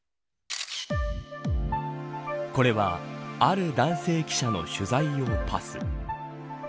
これはある男性記者の取材用パス。